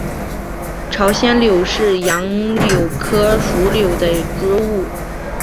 朝鲜柳是杨柳科柳属的植物。